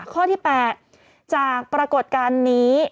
ข้อที่๘จากปรากฏการณ์นี้